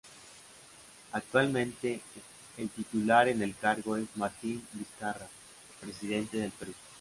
Actualmente el titular en el cargo es Martín Vizcarra, presidente del Perú.